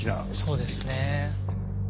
そうですねえ。